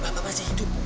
bapak masih hidup